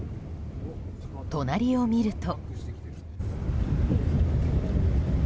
隣を見ると。